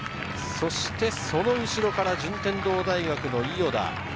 そして、その後ろから順天堂大学の伊豫田。